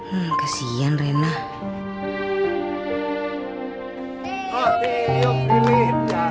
yang bisa menyelamatkan individu